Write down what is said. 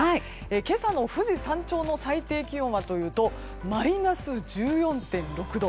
今朝の富士山頂の最低気温はマイナス１４．６度。